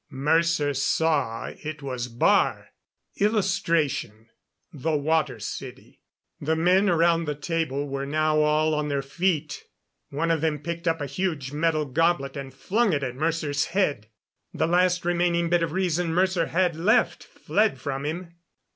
Mercer saw it was Baar. THE WATER CITY. The men around the table were now all on their feet. One of them picked up a huge metal goblet and flung it at Mercer's head. The last remaining bit of reason Mercer had left fled from him.